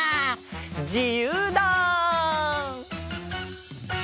じゆうだ！